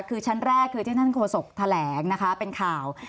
คือชั้นแรกคือที่ท่านโฆษกแถลงนะคะเป็นข่าว